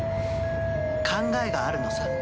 考えがあるのさ。